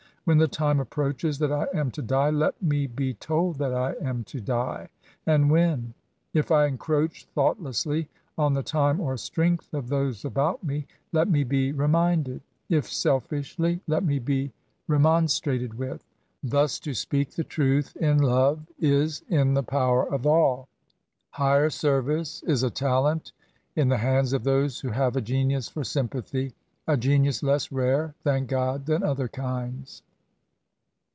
When the time approaches that I am to die, let me be told that I am to die, and when. If I encroach thoughtlessly on the time or strength of those about me, let me be reminded ; if selfijshly. SYMPATHY TO THE INVALID. 27 let me be remonstrated with. Thus to speak the truth in love is in the power of all. Higher ser vice is a talent in the hands of those who have a genius for sympathy — a genius less rare, thank God! than other kinds.